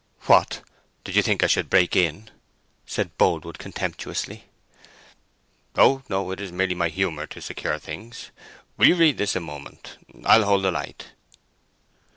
"What, did you think I should break in?" said Boldwood, contemptuously. "Oh, no, it is merely my humour to secure things. Will you read this a moment? I'll hold the light."